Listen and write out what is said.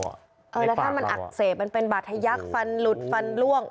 แล้วถ้ามันอักเสบมันเป็นบาดทะยักษ์ฟันหลุดฟันล่วง